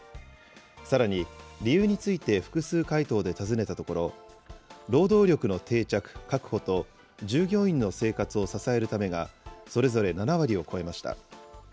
さらに、理由について複数回答で尋ねたところ、労働力の定着・確保と従業員の生活を支えるためが、それぞれ７割を超えました。